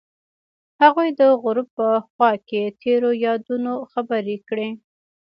هغوی د غروب په خوا کې تیرو یادونو خبرې کړې.